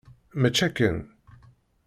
Mačči akken.